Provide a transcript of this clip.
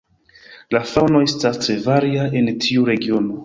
La faŭno estas tre varia en tiu regiono.